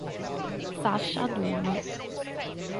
Sascha Dum